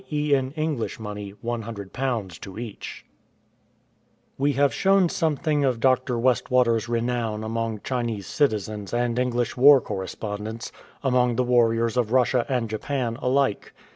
e. in English money, £100 to each. 98 A ROBBER'S POINT OF VIEW We have shown something of Dr. Westwater's renown among Chinese citizens and English war correspondents, among the warriors of Russia and Japan alike.